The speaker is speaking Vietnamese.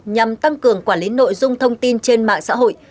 nhằm tăng cường quản lý nội dung thông tin trên mạng xã hội